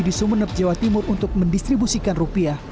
di sumeneb jawa timur untuk mendistribusikan rupiah